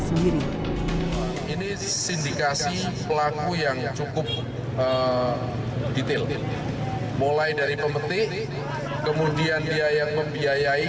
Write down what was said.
seluruh ini sindikasi pelaku yang cukup detail mulai dari pemetik kemudian dia yang membiayai